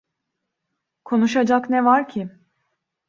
Konuşacak ne var ki?